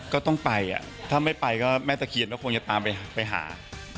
ก็ต้องไปถ้าไม่ไปแม่ธะเคียดเค้าคงอย่าตามไปหา